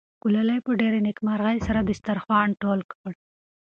ګلالۍ په ډېرې نېکمرغۍ سره دسترخوان ټول کړ.